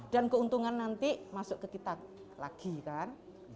dan keuntungan nanti masuk ke kita lagi kan